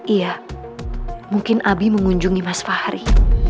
iya mungkin abi mengunjungi mas fahri